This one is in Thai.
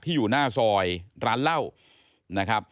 อยู่หน้าซอยร้านเหล้านะครับ